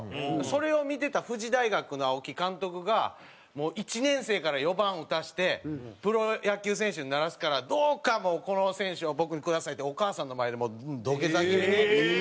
それを見てた富士大学の青木監督が１年生から４番打たせてプロ野球選手にならすからどうかもうこの選手を僕にくださいってお母さんの前で土下座気味に頼んで。